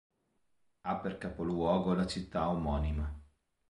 Ha per capoluogo la città omonima.